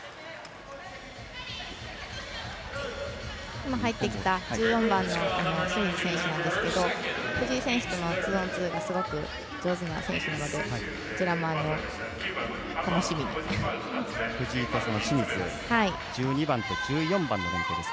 今、入ってきた１４番の清水選手なんですけど藤井選手とのツーオンツーがすごく上手な選手でこちらも楽しみです。